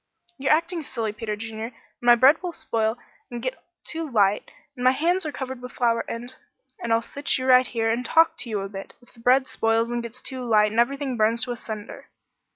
"You're acting silly, Peter Junior, and my bread will all spoil and get too light, and my hands are all covered with flour, and " "And you'll sit right here while I talk to you a bit, if the bread spoils and gets too light and everything burns to a cinder."